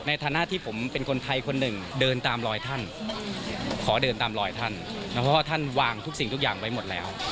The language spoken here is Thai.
ในฐานะที่ผมเป็นคนไทยคนหนึ่งเดินตามรอยท่านขอเดินตามรอยท่านเพราะว่าท่านวางทุกสิ่งทุกอย่างไว้หมดแล้ว